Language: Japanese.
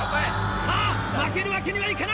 さぁ負けるわけにはいかない！